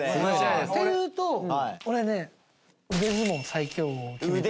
っていうと俺ね腕相撲最強王を決めたい。